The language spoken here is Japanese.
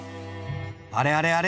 あれあれあれ？